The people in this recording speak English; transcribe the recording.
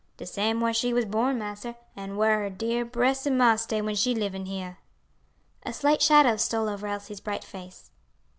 "De same whar she was born, massa, an' whar her dear bressed ma stay when she livin' heyah." A slight shadow stole over Elsie's bright face.